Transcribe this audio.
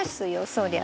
そりゃ。